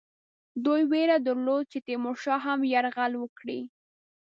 دوی وېره درلوده چې تیمورشاه هم یرغل وکړي.